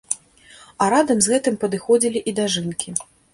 А радам з гэтым падыходзілі і дажынкі.